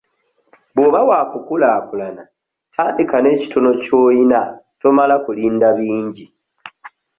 Bw'oba wakukulaakulana tandika n'ekitono ky'oyina tomala kulinda bingi.